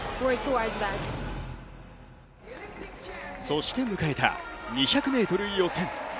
そして迎えた２００ｍ予選。